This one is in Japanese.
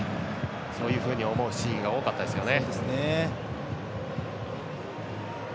そういうふうに思うシーンが多かったですよね。